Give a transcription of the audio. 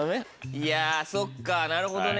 いやそっかなるほどね。